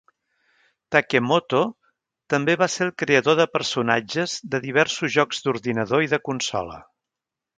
Takemoto també va ser el creador de personatges de diversos jocs d'ordinador i de consola.